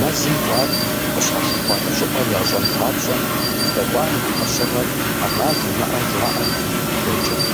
Мэзым кӏуар къыщалъыхъуэну щӏыпӏэр ящӏэн папщӏэ, здэкӏуэм и фӏэщыгъэр, ӏэмал имыӏэу, жаӏэрти дэкӏырт.